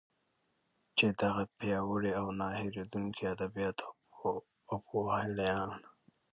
چې دغه پیاوړي او نه هیردونکي ادېبان او پوهیالان